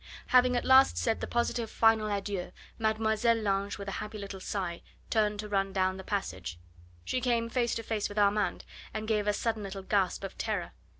Having at last said the positively final adieu, Mlle. Lange with a happy little sigh turned to run down the passage. She came face to face with Armand, and gave a sudden little gasp of terror.